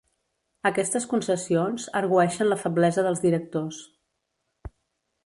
Aquestes concessions argüeixen la feblesa dels directors.